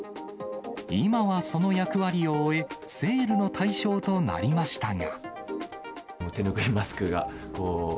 今はその役割を終え、セールの対象となりましたが。